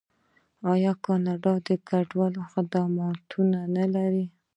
آیا کاناډا د کډوالو خدمتونه نلري؟